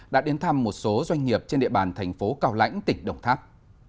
đã đến thăm một số doanh nghiệp trên địa bàn thành phố cao lãnh tỉnh đồng tháp